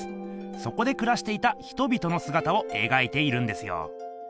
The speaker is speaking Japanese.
そこでくらしていた人々のすがたをえがいているんですよ。